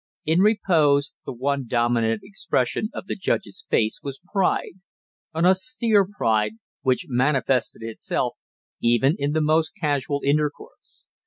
In repose, the one dominant expression of the judge's face was pride, an austere pride, which manifested itself even in the most casual intercourse.